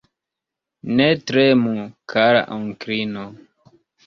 Ne tremu, kara onklino.